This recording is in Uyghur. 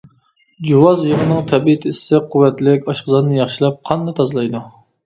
جۇۋاز يېغىنىڭ تەبىئىتى ئىسسىق، قۇۋۋەتلىك، ئاشقازاننى ياخشىلاپ، قاننى تازىلايدۇ.